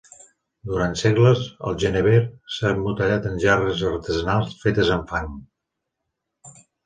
Durant segles, el jenever s'ha embotellat en gerres artesanals fetes amb fang.